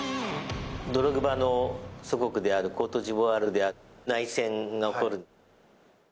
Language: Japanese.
ドログバの祖国であるコートジボワールでは内戦が起こる。